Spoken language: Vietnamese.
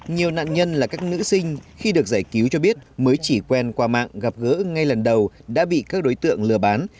nhiều nạn nhân là các nữ sinh khi được giải cứu cho biết mới chỉ quen qua mạng gặp gỡ ngay lần đầu đã bị các đối tượng lừa bán